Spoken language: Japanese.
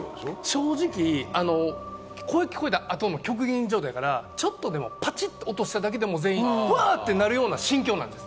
正直、声聞こえた後の極限状態やから、ちょっとでもパチッと落としただけでも全員、うわっ！ってなるような心境なんです。